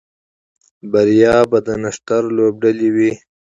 بریا به د نښتر لوبډلې وي